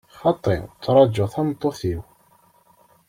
Xaṭi, ttrajuɣ tameṭṭut-iw.